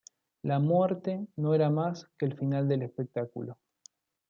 La muerte no era más que el final del espectáculo.